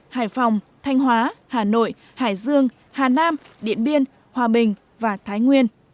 hải phòng thanh hóa hà nội hải dương hà nam điện biên hòa bình và thái nguyên